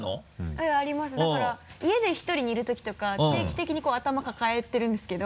はいありますだから家で１人でいるときとか定期的に頭抱えてるんですけど。